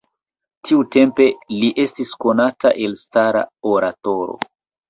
Tiutempe li estis konata elstara oratoro.